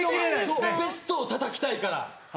そうベストをたたきたいから！